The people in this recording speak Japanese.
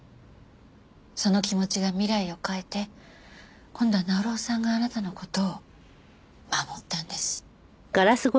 その気持ちが未来を変えて今度は鳴尾さんがあなたの事を守ったんです。